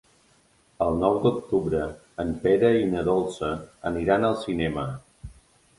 El nou d'octubre en Pere i na Dolça aniran al cinema.